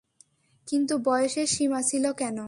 কিন্তু বয়সের সীমা ছিল কেন?